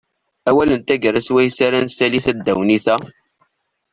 Awal n taggara swayes ara nessali tadiwennit-a.